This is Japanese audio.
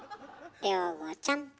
亮吾ちゃん。